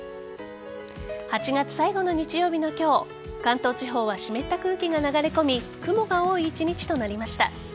８月最後の日曜日の今日関東地方は湿った空気が流れ込み雲が多い１日となりました。